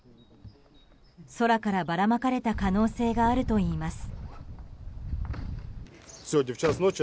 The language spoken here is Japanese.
空からばらまかれた可能性があるといいます。